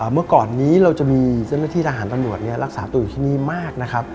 เมื่อก่อนนี้เราจะมีเจ้าหน้าที่ทหารตำรวจรักษาตัวอยู่ที่นี่มากนะครับ